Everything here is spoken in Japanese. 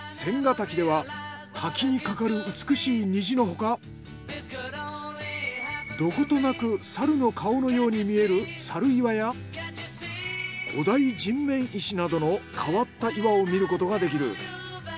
滝では滝にかかる美しい虹の他どことなく猿の顔のように見える猿岩や古代人面石などの変わった岩を見ることができる。